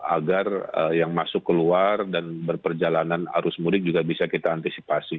agar yang masuk keluar dan berperjalanan arus mudik juga bisa kita antisipasi